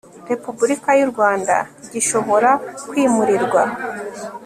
Repubulika y u Rwanda Gishobora kwimurirwa